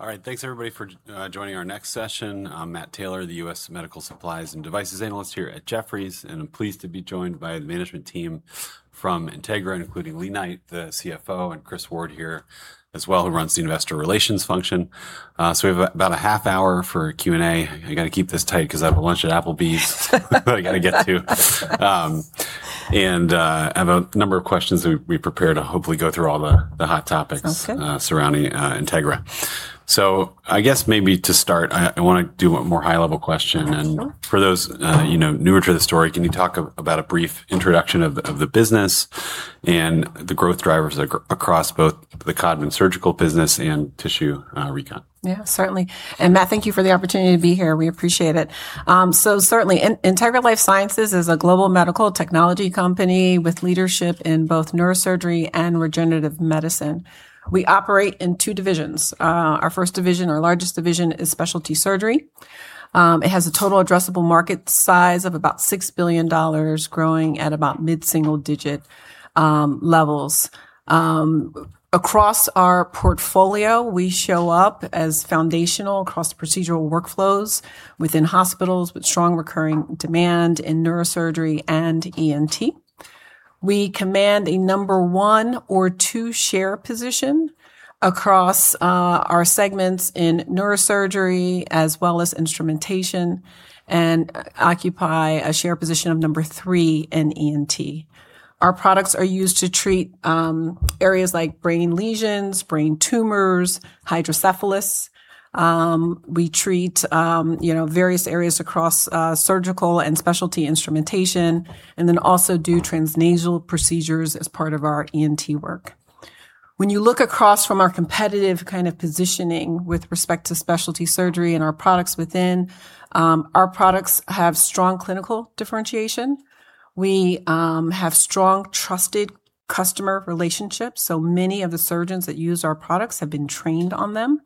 All right. Thanks everybody for joining our next session. I'm Matt Taylor, the U.S. Medical Supplies and Devices Analyst here at Jefferies, and I'm pleased to be joined by the management team from Integra, including Lea Knight, the CFO, and Chris Ward here as well, who runs the Investor Relations function. We have about a half hour for Q&A. I got to keep this tight because I have a lunch at Applebee's that I got to get to. I have a number of questions that we prepared to hopefully go through all the hot topics. Sounds good. surrounding Integra. I guess maybe to start, I want to do a more high-level question. Absolutely. For those newer to the story, can you talk about a brief introduction of the business and the growth drivers across both the Codman Specialty Surgical business and Tissue Recon? Certainly. Matt, thank you for the opportunity to be here. We appreciate it. Certainly, Integra LifeSciences is a global medical technology company with leadership in both neurosurgery and regenerative medicine. We operate in two divisions. Our first division, our largest division, is Specialty Surgery. It has a total addressable market size of about $6 billion, growing at about mid-single digit levels. Across our portfolio, we show up as foundational across procedural workflows within hospitals with strong recurring demand in neurosurgery and ENT. We command a number 1 or 2 share position across our segments in neurosurgery as well as instrumentation and occupy a share position of number 3 in ENT. Our products are used to treat areas like brain lesions, brain tumors, hydrocephalus. We treat various areas across surgical and specialty instrumentation, and then also do transnasal procedures as part of our ENT work. You look across from our competitive positioning with respect to Specialty Surgery and our products within, our products have strong clinical differentiation. We have strong trusted customer relationships, many of the surgeons that use our products have been trained on them,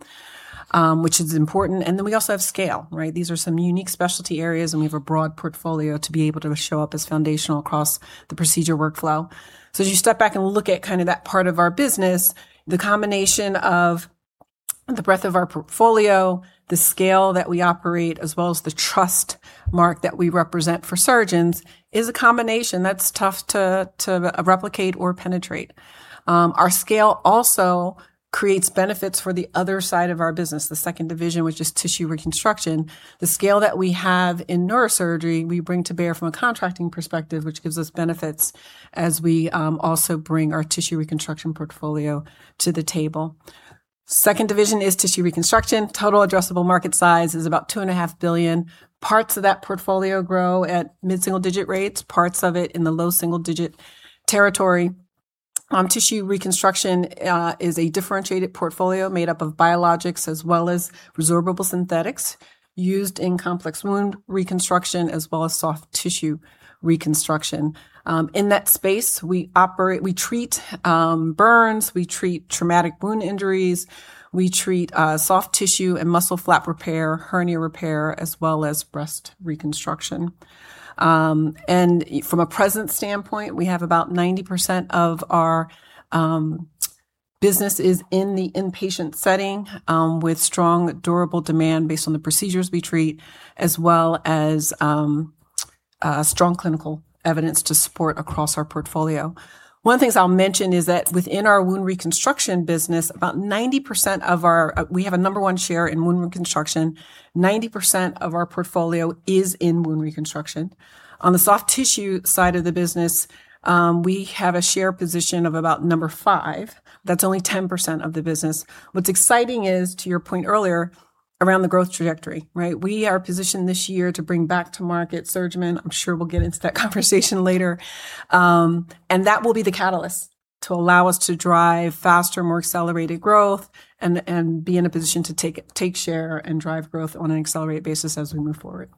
which is important. We also have scale, right? These are some unique specialty areas, we have a broad portfolio to be able to show up as foundational across the procedure workflow. As you step back and look at that part of our business, the combination of the breadth of our portfolio, the scale that we operate, as well as the trust mark that we represent for surgeons is a combination that's tough to replicate or penetrate. Our scale also creates benefits for the other side of our business, the second division, which is Tissue Reconstruction. The scale that we have in neurosurgery, we bring to bear from a contracting perspective, which gives us benefits as we also bring our tissue reconstruction portfolio to the table. Second division is Tissue Reconstruction. Total addressable market size is about $2.5 billion. Parts of that portfolio grow at mid-single digit rates, parts of it in the low single digit territory. Tissue Reconstruction is a differentiated portfolio made up of biologics as well as resorbable synthetics used in complex wound reconstruction, as well as soft tissue reconstruction. In that space, we treat burns, we treat traumatic wound injuries, we treat soft tissue and muscle flap repair, hernia repair, as well as breast reconstruction. From a presence standpoint, we have about 90% of our business is in the inpatient setting, with strong durable demand based on the procedures we treat, as well as strong clinical evidence to support across our portfolio. One of the things I'll mention is that within our Tissue Reconstruction business, we have a number 1 share in Tissue Reconstruction. 90% of our portfolio is in Tissue Reconstruction. On the soft tissue side of the business, we have a share position of about number 5. That's only 10% of the business. What's exciting is, to your point earlier, around the growth trajectory, right? We are positioned this year to bring back to market SurgiMend. I'm sure we'll get into that conversation later. That will be the catalyst to allow us to drive faster, more accelerated growth and be in a position to take share and drive growth on an accelerated basis as we move forward.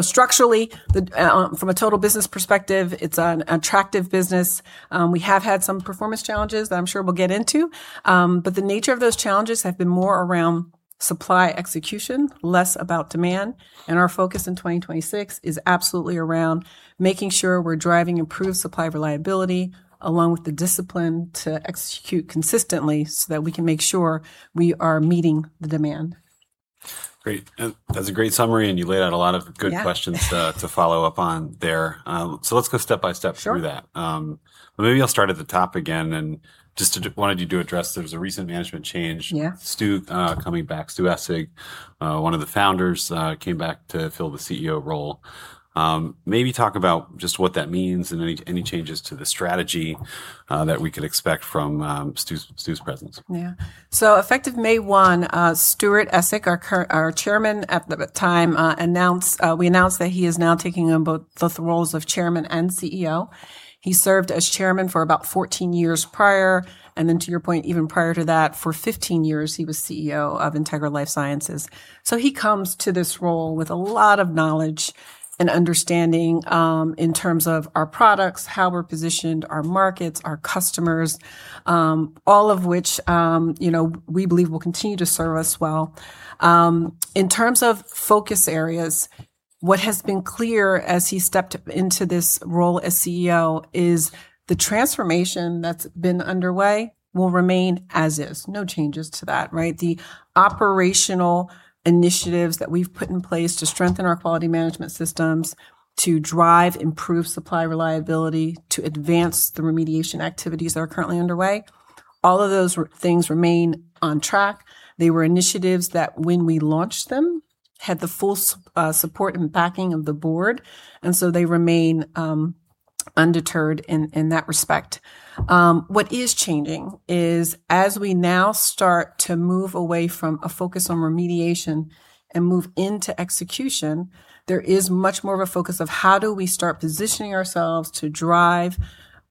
Structurally, from a total business perspective, it's an attractive business. We have had some performance challenges that I'm sure we'll get into. The nature of those challenges have been more around supply execution, less about demand. Our focus in 2026 is absolutely around making sure we're driving improved supply reliability, along with the discipline to execute consistently so that we can make sure we are meeting the demand. Great. That's a great summary, you laid out a lot of good questions. Yeah to follow up on there. Let's go step by step through that. Sure. Maybe I'll start at the top again. Just wanted you to address, there was a recent management change. Yeah. Stu coming back, Stuart Essig, one of the founders, came back to fill the CEO role. Maybe talk about just what that means and any changes to the strategy that we could expect from Stu's presence. Yeah. Effective May 1, Stuart Essig, our Chairman at the time, we announced that he is now taking on both the roles of Chairman and CEO. He served as Chairman for about 14 years prior, then to your point, even prior to that, for 15 years, he was CEO of Integra LifeSciences. He comes to this role with a lot of knowledge and understanding, in terms of our products, how we're positioned, our markets, our customers, all of which we believe will continue to serve us well. In terms of focus areas, what has been clear as he stepped into this role as CEO is the transformation that's been underway will remain as is. No changes to that, right? The operational initiatives that we've put in place to strengthen our quality management systems, to drive improved supply reliability, to advance the remediation activities that are currently underway, all of those things remain on track. They were initiatives that, when we launched them, had the full support and backing of the board, and so they remain undeterred in that respect. What is changing is, as we now start to move away from a focus on remediation and move into execution, there is much more of a focus of how do we start positioning ourselves to drive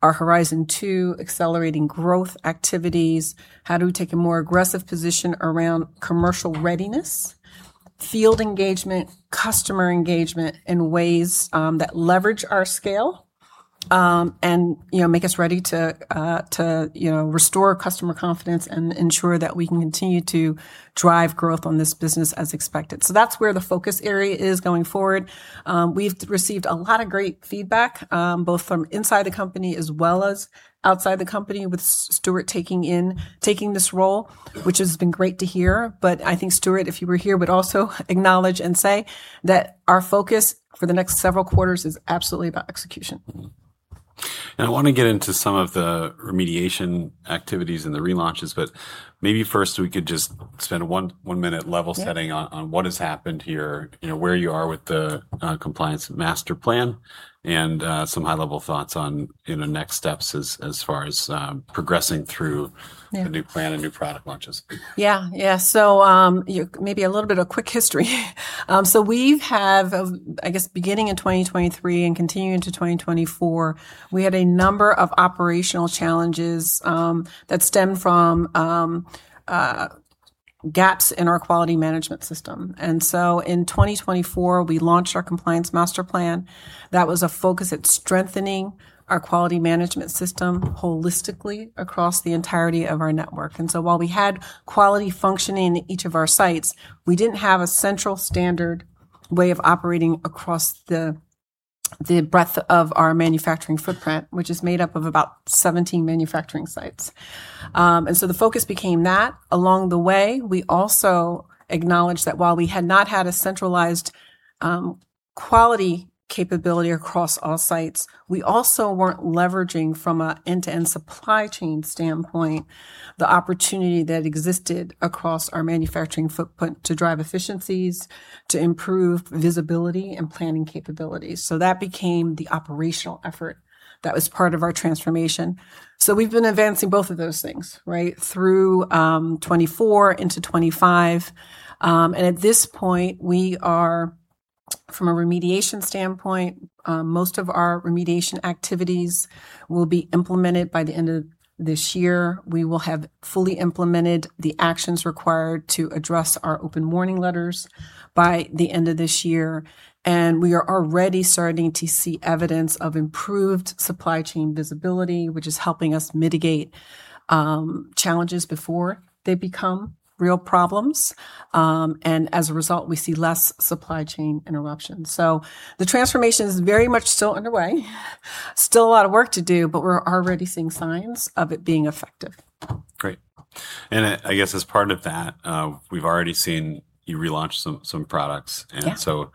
our Horizon 2 accelerating growth activities? How do we take a more aggressive position around commercial readiness, field engagement, customer engagement in ways that leverage our scale, and make us ready to restore customer confidence and ensure that we can continue to drive growth on this business as expected? That's where the focus area is going forward. We've received a lot of great feedback, both from inside the company as well as outside the company, with Stuart taking this role, which has been great to hear. I think Stuart, if he were here, would also acknowledge and say that our focus for the next several quarters is absolutely about execution. I want to get into some of the remediation activities and the relaunches, but maybe first we could just spend one minute level setting. Yeah on what has happened here, where you are with the compliance master plan, and some high-level thoughts on next steps as far as progressing through. Yeah the new plan and new product launches. Yeah. Maybe a little bit of quick history. We've had, I guess, beginning in 2023 and continuing to 2024, we had a number of operational challenges that stemmed from gaps in our Quality Management System. In 2024, we launched our Compliance Master Plan. That was a focus at strengthening our Quality Management System holistically across the entirety of our network. While we had quality functioning in each of our sites, we didn't have a central standard way of operating across the breadth of our manufacturing footprint, which is made up of about 17 manufacturing sites. The focus became that. Along the way, we also acknowledged that while we had not had a centralized quality capability across all sites, we also weren't leveraging from an end-to-end supply chain standpoint the opportunity that existed across our manufacturing footprint to drive efficiencies, to improve visibility and planning capabilities. That became the operational effort that was part of our transformation. We've been advancing both of those things right through 2024 into 2025. At this point, we are from a remediation standpoint, most of our remediation activities will be implemented by the end of this year. We will have fully implemented the actions required to address our open warning letters by the end of this year, and we are already starting to see evidence of improved supply chain visibility, which is helping us mitigate challenges before they become real problems. As a result, we see less supply chain interruptions. The transformation is very much still underway, still a lot of work to do, but we're already seeing signs of it being effective. Great. I guess as part of that, we've already seen you relaunch some products. Yeah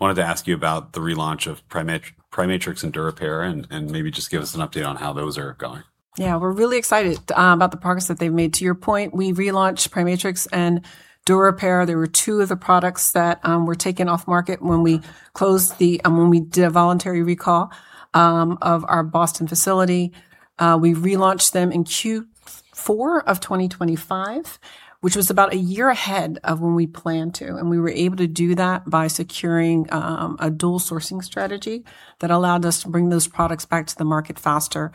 wanted to ask you about the relaunch of PriMatrix and DuraGen, and maybe just give us an update on how those are going? Yeah, we're really excited about the progress that they've made. To your point, we relaunched PriMatrix and DuraGen. They were two of the products that were taken off market when we did a voluntary recall of our Boston facility. We relaunched them in Q4 of 2025, which was about a year ahead of when we planned to, and we were able to do that by securing a dual sourcing strategy that allowed us to bring those products back to the market faster.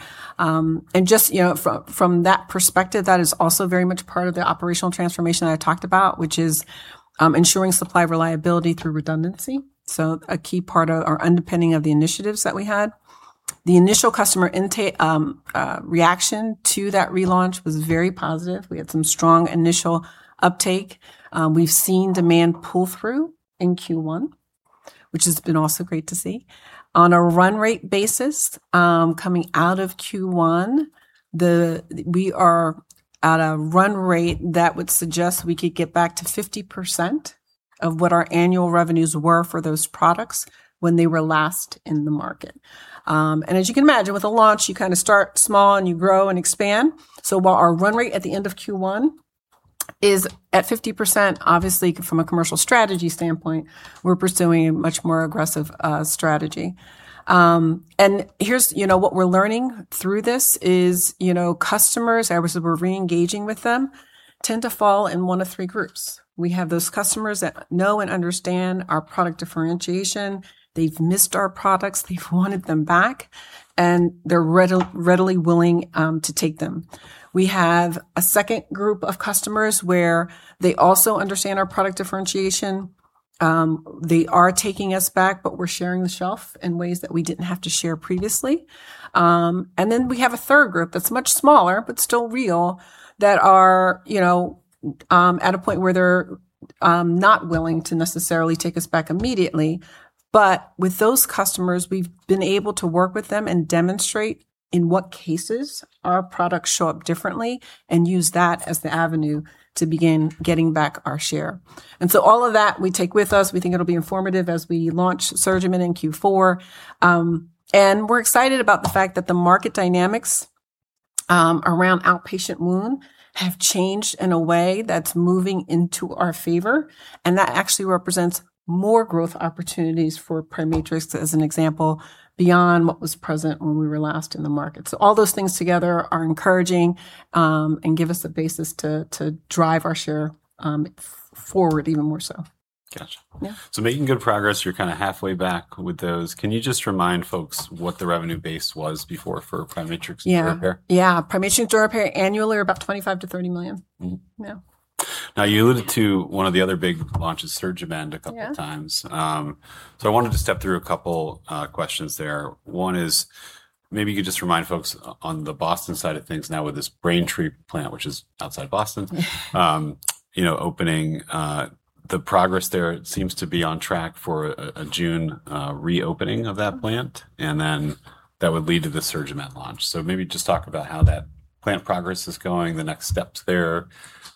Just from that perspective, that is also very much part of the operational transformation that I talked about, which is ensuring supply reliability through redundancy. A key part of our underpinning of the initiatives that we had. The initial customer reaction to that relaunch was very positive. We had some strong initial uptake. We've seen demand pull through in Q1, which has been also great to see. On a run rate basis, coming out of Q1, we are at a run rate that would suggest we could get back to 50% of what our annual revenues were for those products when they were last in the market. As you can imagine, with a launch, you kind of start small and you grow and expand. While our run rate at the end of Q1 is at 50%, obviously from a commercial strategy standpoint, we're pursuing a much more aggressive strategy. What we're learning through this is customers, as we're reengaging with them, tend to fall in one of three groups. We have those customers that know and understand our product differentiation. They've missed our products, they've wanted them back, and they're readily willing to take them. We have a second group of customers where they also understand our product differentiation. They are taking us back, but we're sharing the shelf in ways that we didn't have to share previously. We have a third group that's much smaller, but still real, that are at a point where they're not willing to necessarily take us back immediately. With those customers, we've been able to work with them and demonstrate in what cases our products show up differently and use that as the avenue to begin getting back our share. All of that we take with us, we think it'll be informative as we launch SurgiMend in Q4. We're excited about the fact that the market dynamics around outpatient wound have changed in a way that's moving into our favor, and that actually represents more growth opportunities for PriMatrix, as an example, beyond what was present when we were last in the market. All those things together are encouraging and give us the basis to drive our share forward even more so. Got you. Yeah. Making good progress. You're kind of halfway back with those. Can you just remind folks what the revenue base was before for PriMatrix and DuraGen? Yeah. PriMatrix and DuraGen annually are about $25 million-$30 million. Yeah. You alluded to one of the other big launches, SurgiMend, a couple times. Yeah. I wanted to step through a couple questions there. One is, maybe you could just remind folks on the Boston side of things now with this Braintree plant, which is outside Boston, opening. The progress there seems to be on track for a June reopening of that plant. That would lead to the SurgiMend launch. Maybe just talk about how that plant progress is going, the next steps there,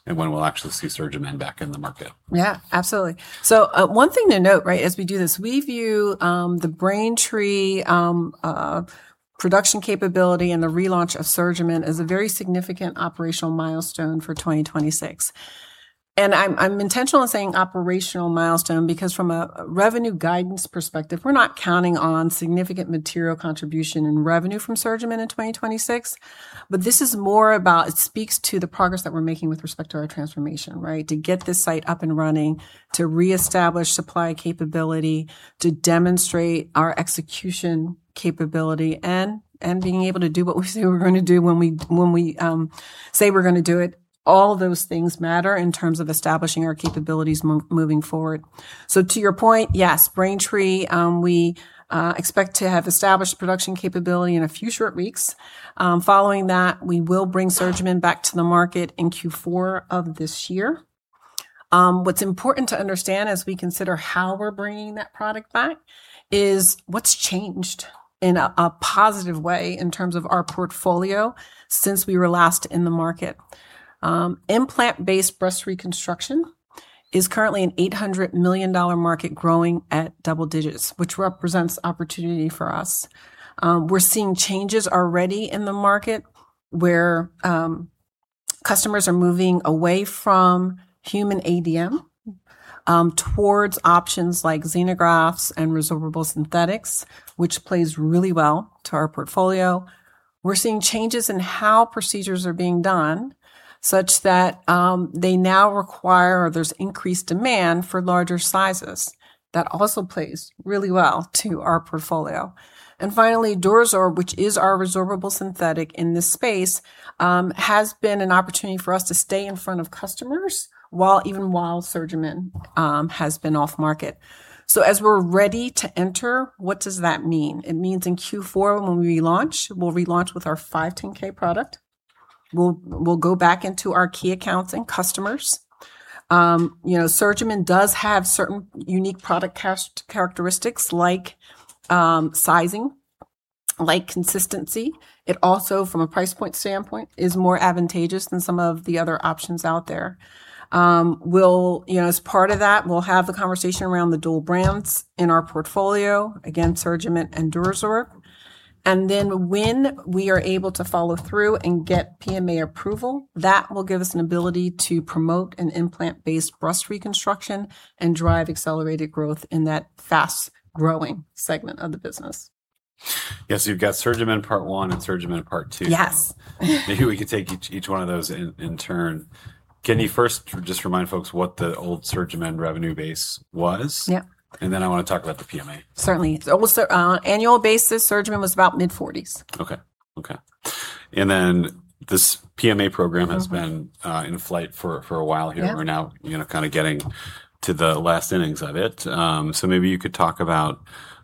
and when we'll actually see SurgiMend back in the market. Yeah, absolutely. One thing to note, right, as we do this, we view the Braintree production capability and the relaunch of SurgiMend as a very significant operational milestone for 2026. I'm intentional in saying operational milestone because from a revenue guidance perspective, we're not counting on significant material contribution and revenue from SurgiMend in 2026. This is more about it speaks to the progress that we're making with respect to our transformation, right? To get this site up and running, to reestablish supply capability, to demonstrate our execution capability, and being able to do what we say we're going to do when we say we're going to do it. All those things matter in terms of establishing our capabilities moving forward. To your point, yes, Braintree, we expect to have established production capability in a few short weeks. Following that, we will bring SurgiMend back to the market in Q4 of this year. What's important to understand as we consider how we're bringing that product back is what's changed in a positive way in terms of our portfolio since we were last in the market. Implant-based breast reconstruction is currently an $800 million market growing at double digits, which represents opportunity for us. We're seeing changes already in the market where customers are moving away from human ADM towards options like xenografts and resorbable synthetics, which plays really well to our portfolio. We're seeing changes in how procedures are being done, such that they now require, or there's increased demand for larger sizes. That also plays really well to our portfolio. Finally, DuraSorb, which is our resorbable synthetic in this space, has been an opportunity for us to stay in front of customers even while SurgiMend has been off-market. As we're ready to enter, what does that mean? It means in Q4, when we launch, we'll relaunch with our 510K product. We'll go back into our key accounts and customers. SurgiMend does have certain unique product characteristics like sizing, like consistency. It also, from a price point standpoint, is more advantageous than some of the other options out there. As part of that, we'll have the conversation around the dual brands in our portfolio, again, SurgiMend and DuraSorb. Then when we are able to follow through and get PMA approval, that will give us an ability to promote an implant-based breast reconstruction and drive accelerated growth in that fast-growing segment of the business. Yeah. You've got SurgiMend part one and SurgiMend part two now. Yes. Maybe we could take each one of those in turn. Can you first just remind folks what the old SurgiMend revenue base was? Yeah. I want to talk about the PMA. Certainly. Annual basis, SurgiMend was about mid-40s. Okay. Then this PMA program has been- in flight for a while here. Yeah. We're now kind of getting to the last innings of it. Maybe you could talk about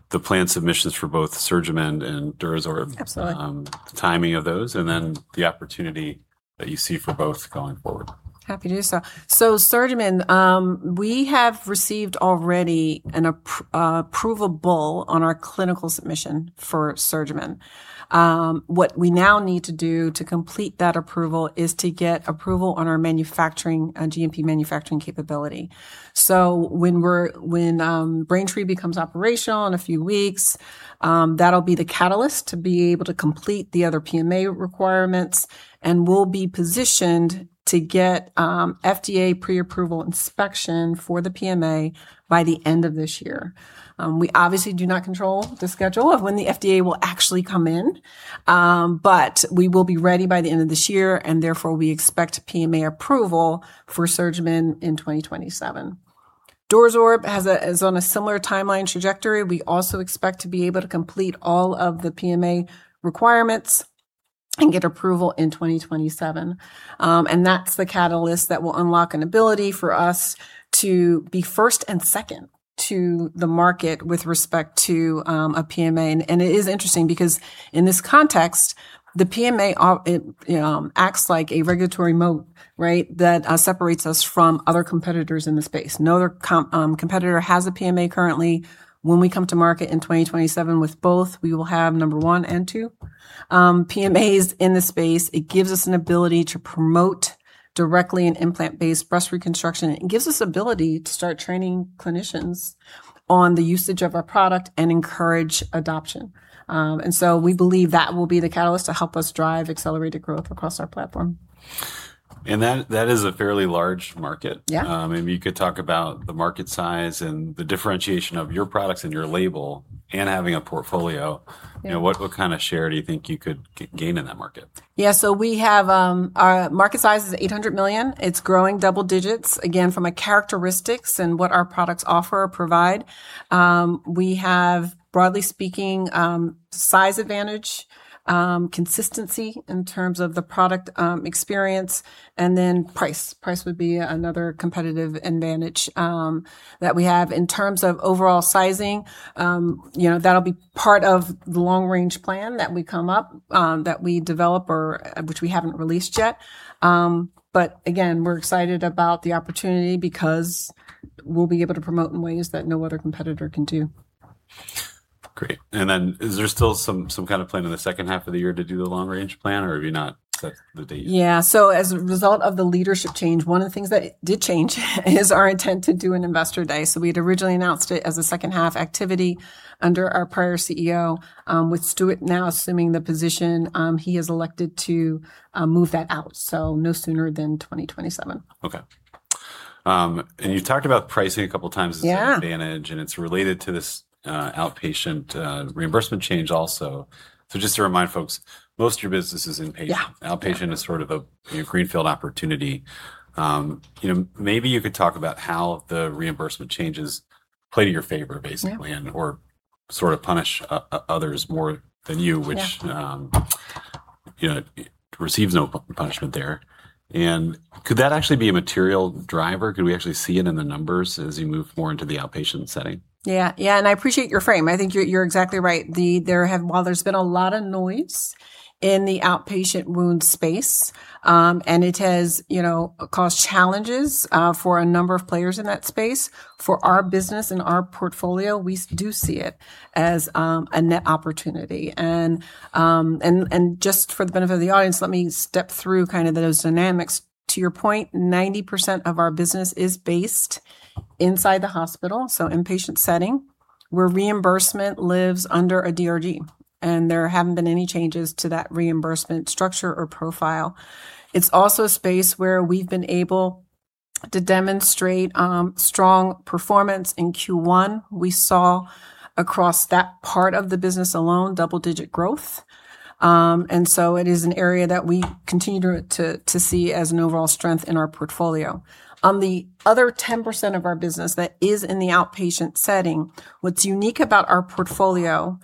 the planned submissions for both SurgiMend and DuraSorb. Absolutely. The timing of those, and then the opportunity that you see for both going forward. Happy to do so. SurgiMend, we have received already an approvable on our clinical submission for SurgiMend. What we now need to do to complete that approval is to get approval on our GMP manufacturing capability. When Braintree becomes operational in a few weeks, that'll be the catalyst to be able to complete the other PMA requirements, and we'll be positioned to get FDA pre-approval inspection for the PMA by the end of this year. We obviously do not control the schedule of when the FDA will actually come in, but we will be ready by the end of this year, and therefore, we expect PMA approval for SurgiMend in 2027. DuraSorb is on a similar timeline trajectory. We also expect to be able to complete all of the PMA requirements and get approval in 2027. That's the catalyst that will unlock an ability for us to be first and second to the market with respect to a PMA. It is interesting because, in this context, the PMA acts like a regulatory moat that separates us from other competitors in the space. No other competitor has a PMA currently. When we come to market in 2027 with both, we will have number one and two PMAs in the space. It gives us an ability to promote directly an implant-based breast reconstruction. It gives us ability to start training clinicians on the usage of our product and encourage adoption. We believe that will be the catalyst to help us drive accelerated growth across our platform. That is a fairly large market. Yeah. Maybe you could talk about the market size and the differentiation of your products and your label and having a portfolio. Yeah. What kind of share do you think you could gain in that market? Our market size is $800 million. It's growing double digits. Again, from a characteristics and what our products offer or provide, we have, broadly speaking, size advantage, consistency in terms of the product experience, and then price. Price would be another competitive advantage that we have. In terms of overall sizing, that'll be part of the long range plan that we come up, that we develop or which we haven't released yet. Again, we're excited about the opportunity because we'll be able to promote in ways that no other competitor can do. Great. Is there still some kind of plan in the second half of the year to do the Long Range Plan, or have you not set the date? Yeah. As a result of the leadership change, one of the things that did change is our intent to do an investor day. We had originally announced it as a second half activity under our prior CEO. With Stuart now assuming the position, he has elected to move that out, so no sooner than 2027. Okay. You talked about pricing a couple of times. Yeah an advantage, and it's related to this outpatient reimbursement change also. Just to remind folks, most of your business is inpatient. Yeah. Outpatient is sort of a greenfield opportunity. Maybe you could talk about how the reimbursement changes play to your favor? Yeah or sort of punish others more than you, which- Yeah receives no punishment there. Could that actually be a material driver? Could we actually see it in the numbers as you move more into the outpatient setting? Yeah. I appreciate your frame. I think you're exactly right. While there's been a lot of noise in the outpatient wound space, and it has caused challenges for a number of players in that space, for our business and our portfolio, we do see it as a net opportunity. Just for the benefit of the audience, let me step through those dynamics. To your point, 90% of our business is based inside the hospital, so inpatient setting, where reimbursement lives under a DRG, and there haven't been any changes to that reimbursement structure or profile. It's also a space where we've been able to demonstrate strong performance. In Q1, we saw across that part of the business alone, double-digit growth. It is an area that we continue to see as an overall strength in our portfolio. On the other 10% of our business that is in the outpatient setting, what's unique about our portfolio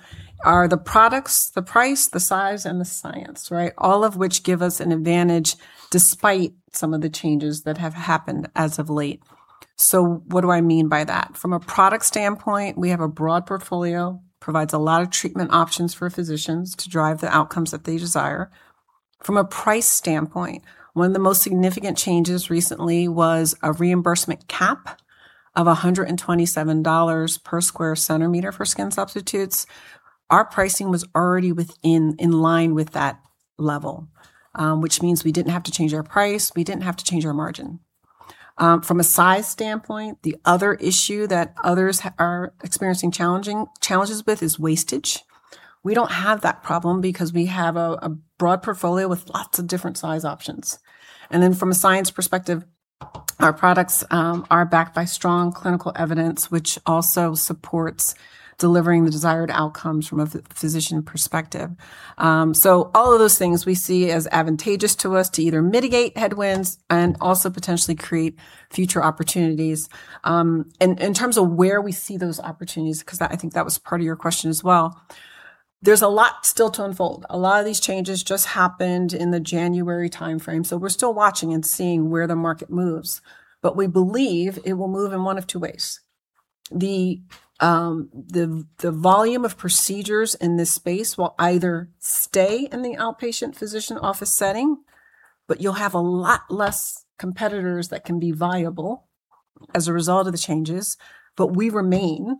are the products, the price, the size, and the science. All of which give us an advantage despite some of the changes that have happened as of late. What do I mean by that? From a product standpoint, we have a broad portfolio, provides a lot of treatment options for physicians to drive the outcomes that they desire. From a price standpoint, one of the most significant changes recently was a reimbursement cap of $127 per square centimeter for skin substitutes. Our pricing was already in line with that level, which means we didn't have to change our price, we didn't have to change our margin. From a size standpoint, the other issue that others are experiencing challenges with is wastage. We don't have that problem because we have a broad portfolio with lots of different size options. From a science perspective, our products are backed by strong clinical evidence, which also supports delivering the desired outcomes from a physician perspective. All of those things we see as advantageous to us to either mitigate headwinds and also potentially create future opportunities. In terms of where we see those opportunities, because I think that was part of your question as well, there's a lot still to unfold. A lot of these changes just happened in the January timeframe, we're still watching and seeing where the market moves. We believe it will move in one of two ways. The volume of procedures in this space will either stay in the outpatient physician office setting, you'll have a lot less competitors that can be viable as a result of the changes. We remain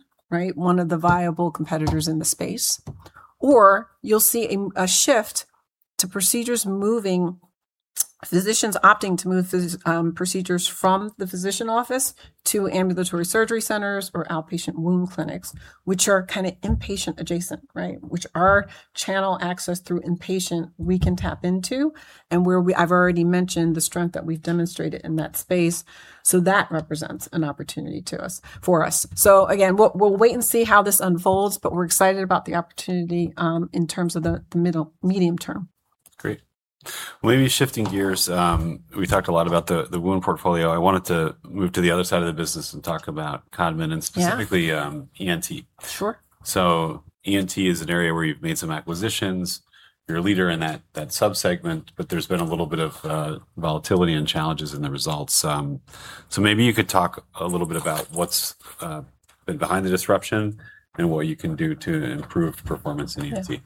one of the viable competitors in the space. You'll see a shift to procedures moving, physicians opting to move procedures from the physician office to ambulatory surgery centers or outpatient wound clinics, which are kind of inpatient adjacent. Which our channel access through inpatient, we can tap into, and where I've already mentioned the strength that we've demonstrated in that space, so that represents an opportunity for us. Again, we'll wait and see how this unfolds, but we're excited about the opportunity in terms of the medium term. Great. Maybe shifting gears, we talked a lot about the wound portfolio. I wanted to move to the other side of the business and talk about Codman Specialty Surgical and specifically. Yeah ENT. Sure. ENT is an area where you've made some acquisitions. You're a leader in that sub-segment, but there's been a little bit of volatility and challenges in the results. Maybe you could talk a little bit about what's been behind the disruption and what you can do to improve performance in ENT.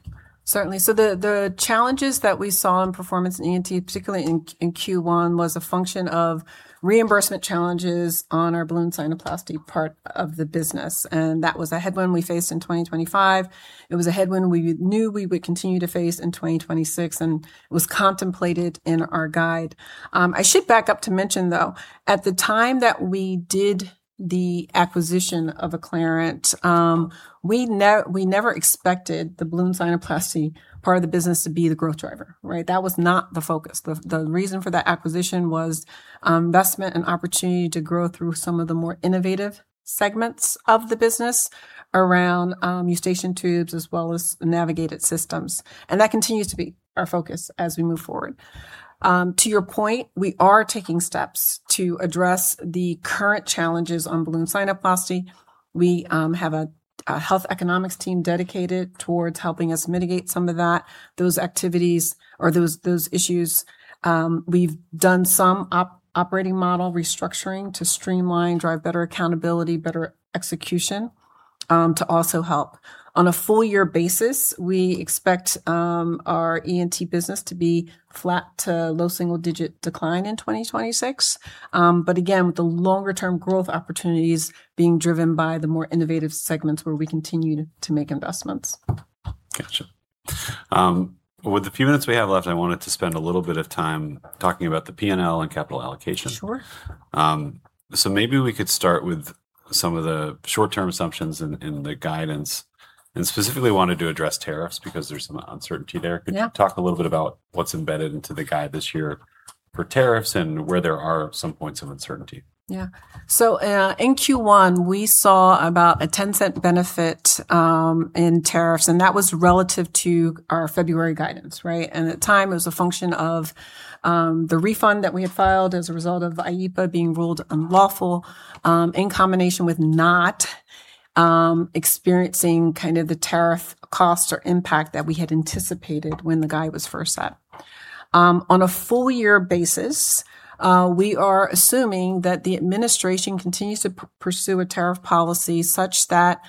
Certainly. The challenges that we saw in performance in ENT, particularly in Q1, was a function of reimbursement challenges on our balloon sinuplasty part of the business, and that was a headwind we faced in 2025. It was a headwind we knew we would continue to face in 2026, and was contemplated in our guide. I should back up to mention, though, at the time that we did the acquisition of Acclarent, we never expected the balloon sinuplasty part of the business to be the growth driver. Right. That was not the focus. The reason for that acquisition was investment and opportunity to grow through some of the more innovative segments of the business around Eustachian tubes, as well as navigated systems. That continues to be our focus as we move forward. To your point, we are taking steps to address the current challenges on balloon sinuplasty. We have a health economics team dedicated towards helping us mitigate some of that, those activities or those issues. We've done some operating model restructuring to streamline, drive better accountability, better execution, to also help. On a full year basis, we expect our ENT business to be flat to low single-digit decline in 2026. Again, with the longer-term growth opportunities being driven by the more innovative segments where we continue to make investments. Got you. With the few minutes we have left, I wanted to spend a little bit of time talking about the P&L and capital allocation. Sure. Maybe we could start with some of the short-term assumptions in the guidance, and specifically wanted to address tariffs, because there's some uncertainty there. Yeah. Could you talk a little bit about what's embedded into the guide this year for tariffs and where there are some points of uncertainty? Yeah. In Q1, we saw about a $0.10 benefit in tariffs, that was relative to our February guidance. Right? At the time, it was a function of the refund that we had filed as a result of IEEPA being ruled unlawful, in combination with not experiencing the tariff cost or impact that we had anticipated when the guide was first set. On a full year basis, we are assuming that the administration continues to pursue a tariff policy such that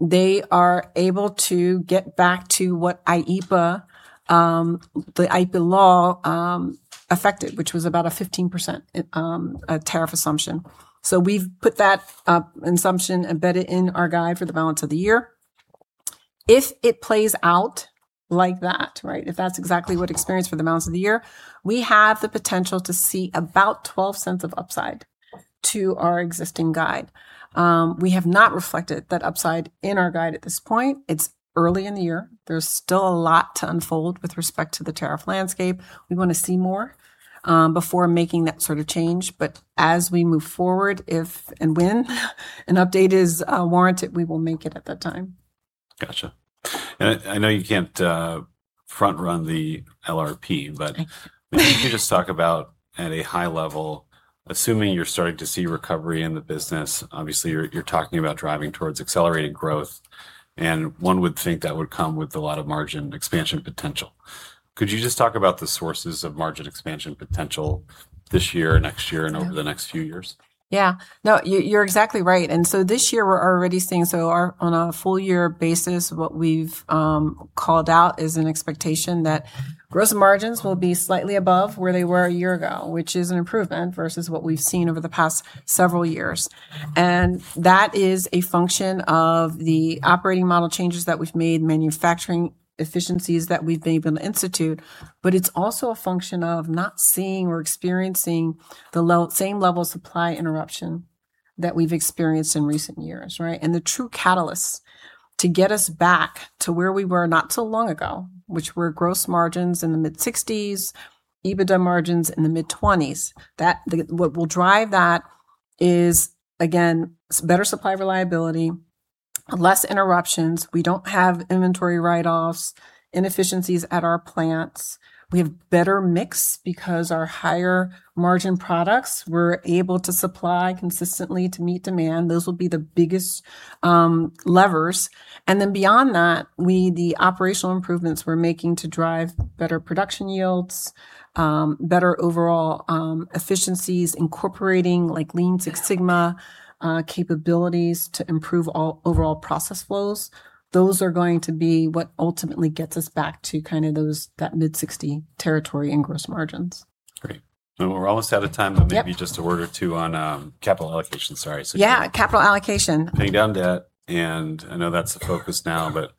they are able to get back to what IEEPA, the IEEPA law, affected, which was about a 15% tariff assumption. We've put that assumption embedded in our guide for the balance of the year. If it plays out like that, right, if that's exactly what experience for the balance of the year, we have the potential to see about $0.12 of upside to our existing guide. We have not reflected that upside in our guide at this point. It's early in the year. There's still a lot to unfold with respect to the tariff landscape. We want to see more before making that sort of change. As we move forward, if and when an update is warranted, we will make it at that time. Got you. I know you can't front-run the LRP, maybe you could just talk about, at a high level, assuming you're starting to see recovery in the business, obviously, you're talking about driving towards accelerated growth. One would think that would come with a lot of margin expansion potential. Could you just talk about the sources of margin expansion potential this year, next year, and over the next few years? Yeah. No, you're exactly right. This year we're already seeing, on a full-year basis, what we've called out is an expectation that gross margins will be slightly above where they were one year ago, which is an improvement versus what we've seen over the past several years. That is a function of the operating model changes that we've made, manufacturing efficiencies that we've been able to institute. It's also a function of not seeing or experiencing the same level of supply interruption that we've experienced in recent years. Right? The true catalyst to get us back to where we were not too long ago, which were gross margins in the mid-60s, EBITDA margins in the mid-20s, what will drive that is, again, better supply reliability, less interruptions. We don't have inventory write-offs, inefficiencies at our plants. We have better mix, because our higher margin products, we're able to supply consistently to meet demand. Those will be the biggest levers. Beyond that, the operational improvements we're making to drive better production yields, better overall efficiencies, incorporating Lean Six Sigma capabilities to improve overall process flows. Those are going to be what ultimately gets us back to that mid-60 territory in gross margins. Great. We're almost out of time. Yep Maybe just a word or two on capital allocation. Sorry. Yeah. Capital allocation. Paying down debt, and I know that's the focus now, but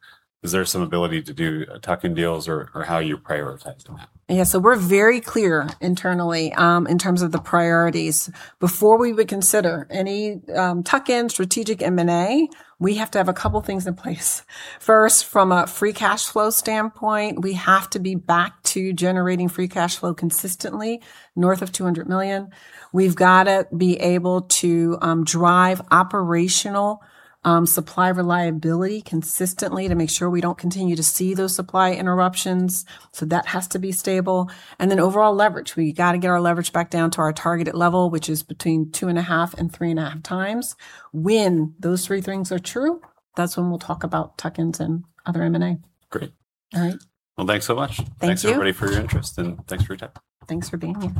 is there some ability to do tuck-in deals, or how are you prioritizing that? Yeah. We're very clear internally in terms of the priorities. Before we would consider any tuck-in strategic M&A, we have to have a couple things in place. First, from a free cash flow standpoint, we have to be back to generating free cash flow consistently, north of $200 million. We've got to be able to drive operational supply reliability consistently to make sure we don't continue to see those supply interruptions. That has to be stable. Overall leverage, we got to get our leverage back down to our targeted level, which is between two and a half and three and a half times. When those three things are true, that's when we'll talk about tuck-ins and other M&A. Great. All right. Well, thanks so much. Thank you. Thanks, everybody, for your interest, and thanks for your time. Thanks for being here.